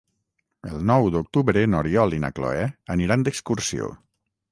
El nou d'octubre n'Oriol i na Cloè aniran d'excursió.